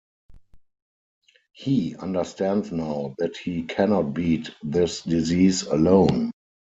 He understands now that he cannot beat this disease alone.